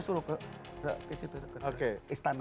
saya disuruh ke istana